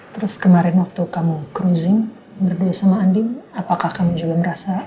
terus kemarin waktu kamu crozen berdua sama andi apakah kamu juga merasa